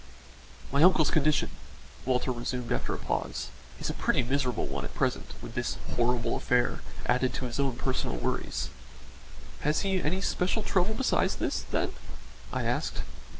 "My uncle's condition," Walter resumed after a pause, "is a pretty miserable one at present, with this horrible affair added to his own personal worries." "Has he any special trouble besides this, then?" I asked.